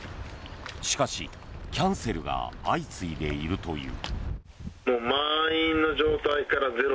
しかし、キャンセルが相次いでいるという。